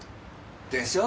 でしょ？